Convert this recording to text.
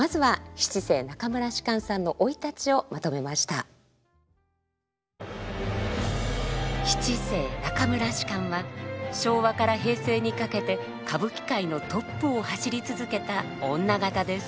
七世中村芝は昭和から平成にかけて歌舞伎界のトップを走り続けた女方です。